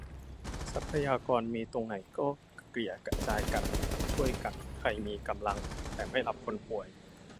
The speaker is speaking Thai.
ทรัพยากรมีตรงไหนก็เกลี่ยกระจายกัน ช่วยกัน ใครมีกำลังแต่ไม่รับคนป่วย